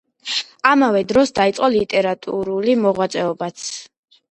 ამავე დროს დაიწყო ლიტერატურული მოღვაწეობაც.